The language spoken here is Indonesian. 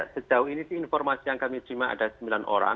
sejauh ini sih informasi yang kami terima ada sembilan orang